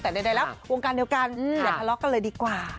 แต่ใดแล้ววงการเดียวกันอย่าทะเลาะกันเลยดีกว่า